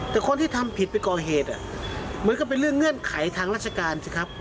แต่คนที่ทำผิดไปก่อเหตุมันก็เป็นเรื่องเงื่อนไขทางราชการสิครับ